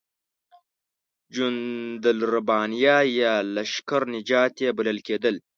جنودالربانیه یا لشکر نجات یې بلل کېدل.